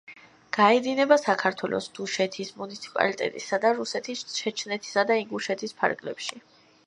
გაედინება საქართველოს დუშეთის მუნიციპალიტეტისა და რუსეთის ჩეჩნეთისა და ინგუშეთის ფარგლებში.